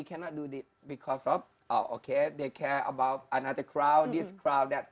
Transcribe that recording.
kita tidak bisa melakukannya karena mereka peduli dengan orang lain orang lain orang lain orang lain